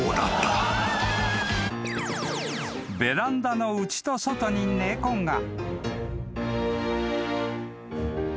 ［ベランダの内と外に猫が］